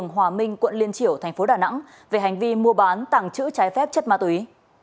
hòa minh quận liên triểu tp đà nẵng về hành vi mua bán tẳng chữ trái phép chất ma túy